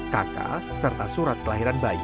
kakak serta surat kelahiran bayi